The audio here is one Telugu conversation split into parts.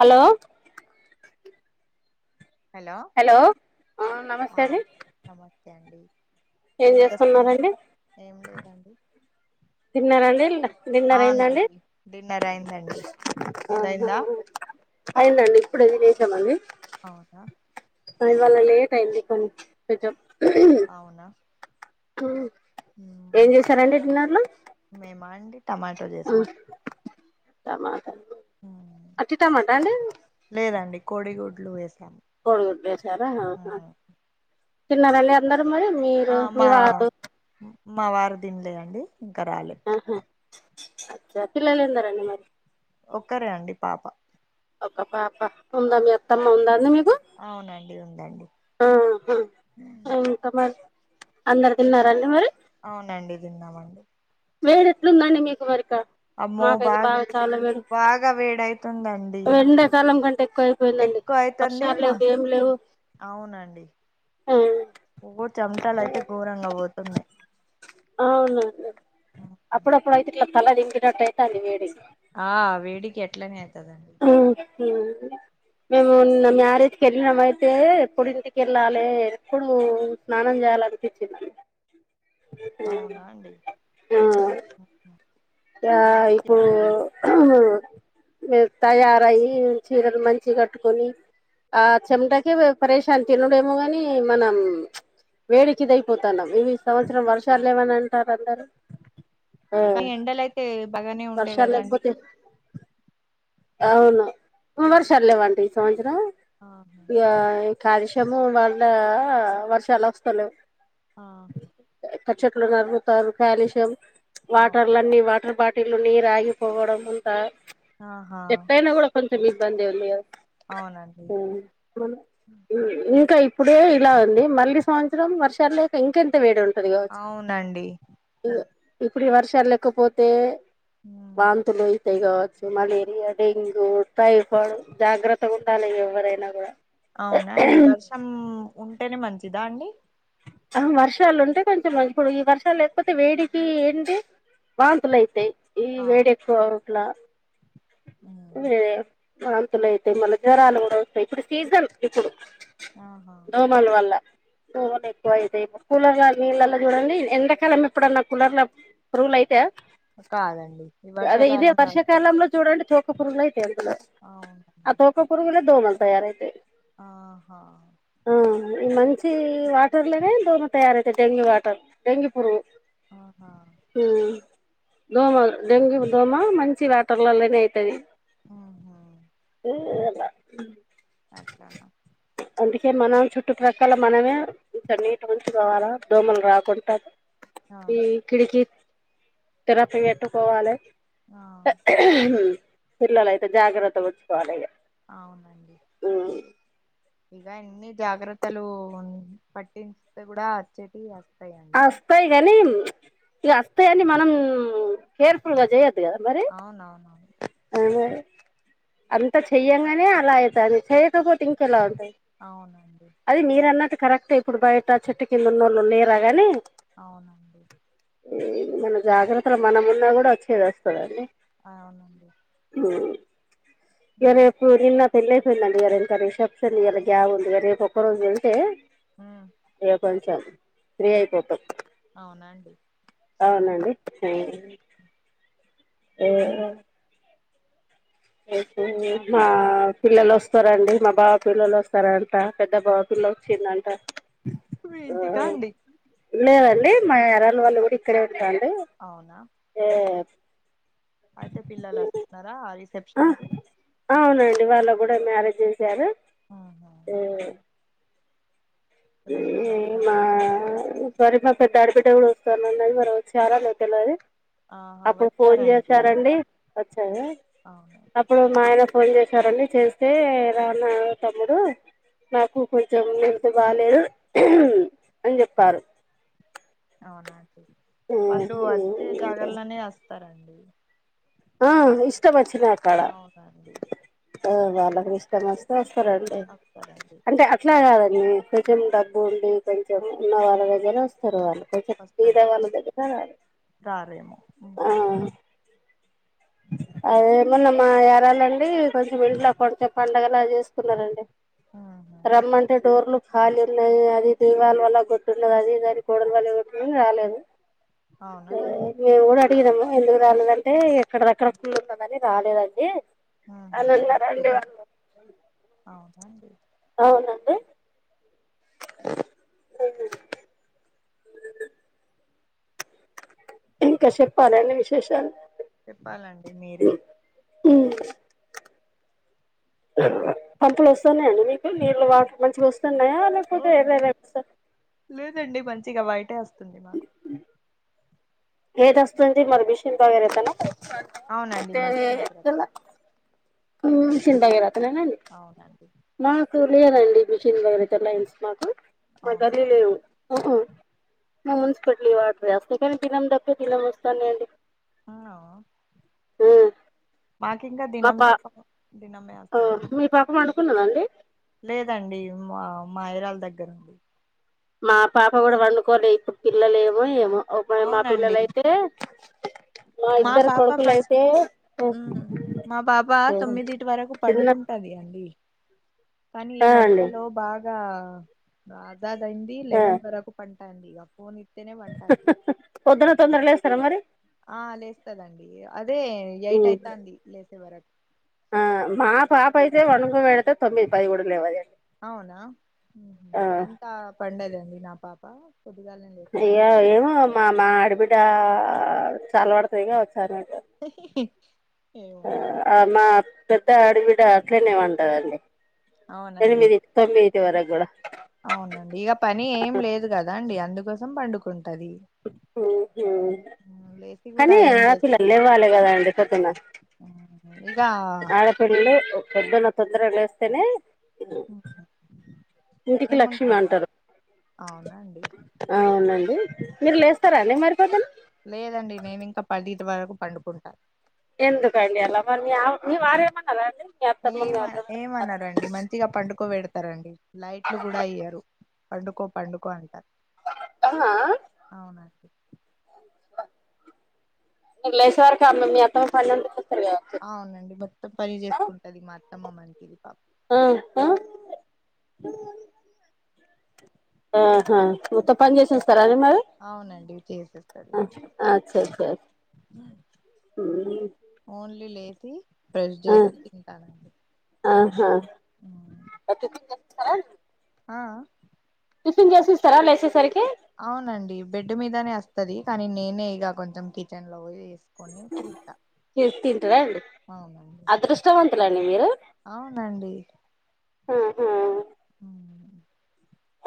హలో! హలో ఆ నమస్తే హా అండి నమస్తే అండీ ఏం జెస్తున్నారు? ఏం లేదండి. తిన్నారండీల్ద డిన్నర్ అయిందండీ? అవునండి డిన్నర్ అయిందండి మీదయిందా అయిందండిప్పుడే దినేసినమండీ. అవునా అ ఇవ్వల్ల లేట్ అయింది కొన్ని పెజం అవునా? ఊ ఏం మ్మ్ చేసారంండి డిన్నర్లు మేమా అండి టమాటో ఆ చేసాం టమాటా. మ్మ్ అట్టి టమాటాండీ? లేదండి కోడిగుడ్లు వేసాం. కోడిగుడ్లేశారా? ఆహా తిన్నరాండీ అందరు మరి మీరూ ఆ మీ మా వాారూ? మా వారు దిన్లేదండి. ఇంకా రాలే. అహా అచ్చ పిల్లల్దిన్నరాండి మరి? ఒక్కరే అండి పాప ఒక పాప ఉందా మీ అత్తమ్మ ఉందా అండి మీకు అవునండి ఉందండి ఆహా ఇంకా అందరు తిన్నారండి మరి అవునండి తిన్నమండి [unintelligible] ఉందా మీకు వరక అమ్మో బా బాగ వేడైతుందండి ఎండాకాలం కంటే ఎక్కువ అయిపోయిందండి ఎక్కువ అయి వర్షాలు [unintelligible] మా లేవు ఏం లేవు అవునండి ఆ ఒ చమటాలు అయితే ఘోరంగా పోతున్నయ్ అవును అప్పుడప్పుడు అయితే ఇట్లా తల [unintelligible] అయితే అని వేడి ఆ వేడికి అట్లనే అయితది అండి ఆ మేము మ్యారేజకి వెళ్ళినము అయితే ఎప్పుడు ఇంటికి ఏళ్లలే ఎప్పుడు స్నానం చేయాల అనిపించింది అండి అవున అండి ఆ ఆ మ్యారేజ్ కి ఇప్పుడు వెళ్ళారా మీరు తయారయ్యి చీరలు మంచి [unintelligible] కట్టుకొని ఆ చెమటకే [unintelligible] [unintelligible] తినడేమో గాని మనం వేడికి ఇదైపోతున్నాం ఇవి సంవత్సరం వర్షాలు లేవని అంటారు అందరు ఆ అ బాగానే ఉండే వర్షాలు కదా అండి లేకపోతే అవును వర్షాలు లేవంటండి ఈ సంవత్సరం ఆహా ఇ కాలుష్యము వాళ్ళ వర్షాలు వస్తలేవ్ ఆ చెట్లు నరుకుతారు కాల్షియం వాటర్లని వాటర్ బా వాటిలు నీరు ఆగిపోవడం అంత ఆహా ఎట్టయిన కూడా కొంచెం ఇబ్బంది ఉంది కదా అవునండి ఉ ఇంక ఇప్పుడే ఇలా అండి మళ్ళలీ సంవత్సరం వర్షాలు లేక ఇంకెంత వేడి ఉంటది కావచ్చు అవునండి ఇప్పుడు వర్షాలు లేకపోతే వాంతులు చేయ కావచ్చు మలేరియా డెంగ్యూ టైఫాయిడ్ జాగ్రత్తగా ఉండాలి ఎవరైనా కూడ అవునండి వర్షం ఉంటేనే మంచిదా అండి ఆ వర్షాలు ఉంటే కొంచెం ఇప్పుడు ఈ వర్షాలు లేకపోతే వేడికి ఏంటి వంతులు అయితయి ఈ ఆ వేడి ఎక్కువ [unintelligible] వంతులు అయితే మళ్ళీ జ్వరాలు కూడ వస్తాయి ఇప్పుడు సీజన్ ఇప్పుడు ఆహా మల్ల వాళ్ళ ఎక్కువ అయితే కూలర్ల నీళ్ళలో చూడండి ఎండకాలం ఎప్పుడన్నా కూలర్ల [unintelligible] అయితే కాదండి ఈ అదే ఇదే వర్షాకాలంలో వస్తాయి వర్షాకాలంలో చూడండి తోకపురుగులు అయితయి అందులో ఆ అవునండి తోక పురుగులే దోమలు తయారథై ఆహా అట్ల ఈ మంచి వాటర్ లోనే దోమ తయారైయి డెంగ్యూ వాటర్ డెంగ్యూ పురుగు ఆహా మ్ దోమ, డెంగ్యూ దోమ మంచి వాటర్లలోనే అయితది. అవునా ఏలా అట్లనా అందుకే మనం చుట్టుప్రక్కల మనమే ఇంకా నీట్గా ఉంచుకోవాల దోమలు రాకుంటా ఆ ఈ కిడికీకి తెరపి గట్టుకోవాలె ఆ పిల్లలయితే జాగ్రత్తగా ఉంచుకోవాలి ఇగ అవునండి మ్ ఇక ఎన్ని జాగ్రత్తలు ఉన్ పట్టిచ్స్తే కూడా అచ్చేటివి అత్తాయి. అస్తాయి కాని ఇక అస్తాయి అని మనం కేర్ఫుల్గా చేయొద్దు కదా మరి. అవునవునవును. అదే అంతా చెయ్యంగానే అలా అయితాంది చెయ్యకపోతే ఇంకెలా ఉంటాది? అవునండి అది మీరు అన్నట్టు కరెక్టే ఇప్పుడు బయట చెట్టు కింద ఉన్నోళ్ళు లేరా గాని, అవునండి ఏ మన జాగ్రత్తలొ మనమున్నా కూడ వచ్చేది వస్తదది. అవునండి మ్ ఇగ ఉమ్ రేప్ సూరి అన్న పెళ్లయిపోయింది అంట గా, ఇగ రేపింక రిసెప్షన్ ఇయాల గ్యాప్ ఉందిగా రేపు ఒక్కరోజు వెళ్తే మ్ ఇగ కొంచం ఫ్రీ అయిపోతాం అవునండి అవునండి ఫ్రీ ఏవో ఎస్తుంది ఇంకా మా పిల్లలు వస్తారండి. మా బావ పిల్లలు వస్తారంట, పెద్ద బావ పిల్ల వచ్చిందంట. మీ ఆ ఇంటికా అండి లేదండి మా ఎరళ వాళ్ళు కూడా ఇక్కడే ఉంటారండి. అవునా అయితే పిల్లలు వస్తున్నారా ఆ రిసెప్షన్కి? అవునండి వాళ్లక్కూడ మ్యారేజ్ చేసారు ఆహా మ్ రేపు మ్ వస్తున్నారా మా మరి మా పెద్ద ఆడబిడ్డ కూడ వస్తానన్నది మరి వచ్చారా లేదా తెల్వది. ఆహా అప్పుడు ఫోన్ వచ్చారండి చేసారండి. వచ్చార? అవునండి. మా ఆయన ఫోన్ చేసారండి. చేస్తే, ఎలా ఉన్నావు తమ్ముడు? నాకు కొంచెం హెల్త్ బాలేదు అని చెప్పారు. అవునా అండి వాళ్ళు వచ్చే జాగాల్లోనే వస్తారండి. ఆ ఇష్టం వచ్చినాక్కడ అవునండి ఆ వాళ్ళకి ఇష్టం వ చేస్తరండి. వస్తారండి అంటే అట్ల కాదు అనేది కొంచెం డబ్బు ఉండి కొంచెం ఉన్న వాళ్ళ ఉమ్, దగ్గర వస్తారు వాళ్ళు. కొంచెం బీద వాళ్ళ దగ్గర రారు ఆ ఏమో అదేమన్నామా ఏరాలండి కొంచెం ఇంట్లో కొంటే పండగలా చేసుకున్నారండి ఉహు రమ్మంటే డోర్లు ఖాళీ ఉన్నాయి అది దీవాలు పగల కొట్టి ఉన్నది అది ఇది అని కోడలు పగల కొట్టిందని రాలేదు అవునండి మేము కూడా అడిగినాము ఎందుకు రాలేదంటే అక్కడ రక్కడ కూళ ఉన్నదని రాలేదండి ఉహు అన్న అన్నారండి అవునా అండి అవునండి ఉ అ ఇంకా చెప్పలే ఏంటి విశేషాలు చెప్పాలండి మీరే హమ్ పంపులు వస్తన్నాయండి మీకు నీళ్ళలు వాటర్ మంచిగా వస్తున్నాయా ఓ, లేకపోతే ఎర్ర ఎర్రగా లేదండి మంచిగా వైటే వస్తుంది మాకు ఎదస్తుంది మరి మిషన్ భగీరథనా అవునండి మస్ట్ అయితే భగీరథం హ మిషన్ భగీరథ నేనా అవునండి మాకు లేదండి మిషిన్ భగీరథ అయితే లైన్స్ మాకు మాకు అవునా అది లేవు మున్స్పట్లి వాటర్ వస్తాయి కాని దినం తప్పి దినం వస్తాయండి ఆ మాకు ఇంకా మా దినం పా తప్ప దినమే వస్తది మీ పాప పండుకున్నదండి లేదండి మా యారాలు దగ్గర ఉంది మా పాప కూడా పండుకోలే ఇప్పుడు పిల్లలే ఏమో ఏమో మా అవునండి పిల్లలైతే మా ఇద్దరు పాప ఫస్ట్ కొడుకులైతే మా బాబా తొమ్మిదిటి వరకు చిన్న పడుకుంట ది అండి కానీ ఈ ఆ అండి మధ్యలో బాగా అజాజ్ అయింది ఆ లెవన్ వరకు పంటంది ఇగ ఫోన్ ఇస్తేనే పంటది పొద్దున్న తొందర లేస్తారా మరి ఆ లేస్తదండి అదే ఎయిట్ అయితంది లేసే వరకు ఆ మా పాప అయితే పండుకోపేడితే తొమ్మిది పదికి కూడా లేవదండి అవునా ఆ అంతా పండదండి నా పాప పొద్దుగాలే ఇగ ఏమో మా మా ఆడబిడ్డ చల్లవడుతది కావచ్చు ఏవడి మా పెద్ద ఆడవిడ్డ అట్లనే పంటదండి అవునండి ఎనిమిది తొమ్మిదిటి వరకు కూడా అవునండి ఇక పని ఏం లేదు కదా అండి అందుకోసం పండుకుంటది లేసి కూడా కానీ ఏం ఆడపిల్లలు లేవ్వాలి కదా అండి పొద్దున ఆ ఆడపిల్లలు పొద్దున తొందర లేస్తనే లక్ష్మి ఏముంటా అంటారు అవునా అండి అవునండి మీరు లేస్తారా అండి మరి పొద్దున లేదండి నేమి ఇంకా పదిటి వరకు పండుకుంటా ఎందుకు అండి అలా మరి మీ వారేమన్నారా అండి మీ అత్తమ్మ మీ ఏమ వదినలు ఏమన్నారా ఏమన్నారండి మంచిగా పండుకో పెడతారండి లైట్లు కూడా ఏయ్యారు పండుకో పండుకో అంటా ఆహా నువ్వు లేసే వరకు అన్నం మీ అత్త వాళ్ళు పని నుంచి వస్తరు కదా అవునండి మొత్తం పని చేసుకుంటది మా అత్తమ్మ మంచిది పాప అ ఆ ఆహ మొత్తం పని చేసేస్తారండి మరి అవునండి చేసేస్తది అచ్ మొత్తం పని అచ్చ అచ్చ అచ్ హు ఓన్లీ లేసి బ్రష్ చేసి తింటానండి ఆహా ఉమ్. ఆ టిఫిన్ చేసి ఇస్తారా లేసేసరికి అవునండి బెడ్ మీదనే అస్తది కానీ నేనే ఇగ కొంచెం కిచెన్ లో పోయేసి కొని తీత్తా అదృష్టవంతులండి మీరు అవునండి ఆహా ఉ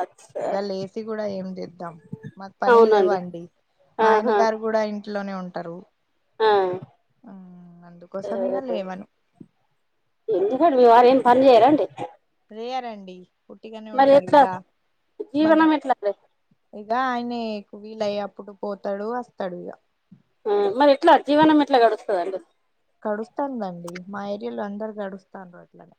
అచ్ ఇక లేసి కూడా ఏం చేద్దాం మాకు పనిలు అవునండి లేవండి మా ఆయన ఆహా గారు కూడా ఇం ఇంట్లోనే ఉంటరు ఆ ఆ అందుకోసం ఇగ లేవను ఎందుకండి మీ వారు ఏం పని చేయ్యరండి రేర్ అండి ఉట్టిగానే ఉంటారు ఎట్లా ఇగ జీవనం ఎట్లా అండి ఇగ ఆయనే కు విలేఅయ్యప్పుడు పోతడు వస్తడు ఇగ ఉ మరి ఎట్లా జీవనం ఎట్లా గడుస్తాదండి కడుస్తానుదండి మా ఏరియాలో అందరు గడుస్తాను అట్లనే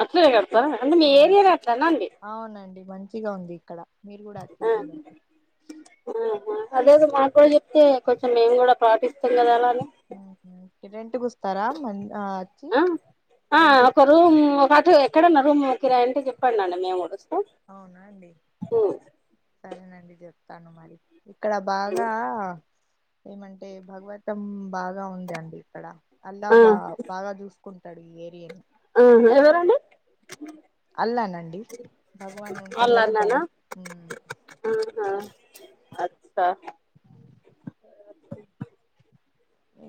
అంటే మీ అవును ఏరియాలో అట్లేనా అండి అవునండి మంచిగా ఉంది ఇక్కడ మీరు కూడా అతి ఆ కూడా ఆహా అదేదో మా కూడా చెప్తే కొంచెం మేము కూడా పాటిస్తాం కదా అలానే రెంట్ కు వస్తారా మన్ ఆ ఆ ఆ ఒక రూమ్ ఒక అటు ఎక్కడున్నా రూమ్ కిరాయి అంటే చెప్పండి అండి మేము కూడా వాస్ అవునా అండి సరేనండి చెప్తాను మరి ఇక్కడ బాగా ఏమంటే భగవతం బాగా ఉంది అండి ఇక్కడ అల్లా ఆ బ బాగా చూసుకుంటడు ఈ ఏరియాని ఎవరండి అల్లా నండి భగవాన్ ఉంటారు వాళ్ళ కదా అన్ననా గాడ్ ఆహా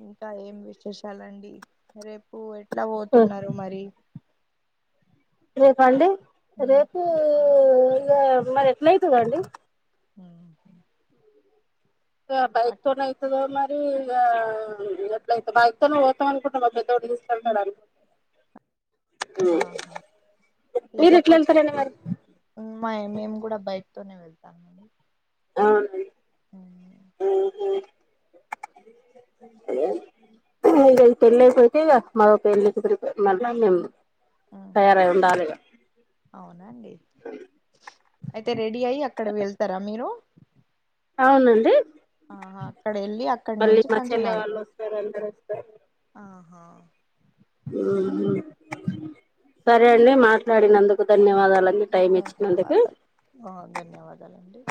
ఇంకా ఏం విశేషాలండి రేపు ఎట్లా పోతున్నరు మరి రేపా అండి ఉమ్, రేపు ఇగ మరి ఎట్లా అయితదో అండి ఆహ ఇగ బైకోన్నయి [unintelligible] ఇగో మరి ఇగ ఎట్ల అయితే బయటికన్న పోతాం అనుకున్నాం మా పెద్దోడు తీసుకెళ్తాడు అని ఆహా మీరు ఎట్లా వెళ్తారండి మరి ఉమ్మాయి మేము కూడా బైక్ తోనే వెళ్తాం అండి అవునండి ఉహు హలో ఇక ఈ పెళ్లి అయిపోతే ఈ మదోక ఎలి మళ్ళ మేం తయారై ఉండాలిగా అవునా అండి అయితే రెడీ అయ్యి అక్కడ వెళ్తారా మీరు అవునండి ఆహా అక్కడ వెళ్ళి అక్కడి మళ్ళీ నుంచి మా చెల్లె పంచనాలకి వాళ్ళు వస్తారు అందరు వస్తారు ఆహా సరే అండి మాట్లాడినందుకు ధన్యవాదాలండీ ధన్యవాదాలు ఓ ధన్యవాదాలండి